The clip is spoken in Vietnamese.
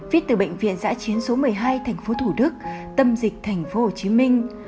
viết từ bệnh viện giã chiến số một mươi hai thành phố thủ đức tâm dịch thành phố hồ chí minh